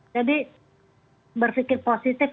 jadi berfikir positif